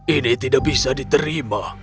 ini tidak bisa diterima